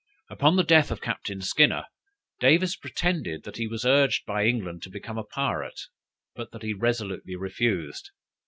Upon the death of Captain Skinner, Davis pretended that he was urged by England to become a pirate, but that he resolutely refused.